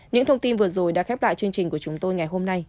những thông tin vừa rồi đã khép lại chương trình của chúng tôi ngày hôm nay